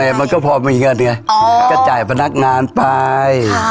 เครียดทำไงมันก็พอมีเงินไงก็จ่ายพนักงานไป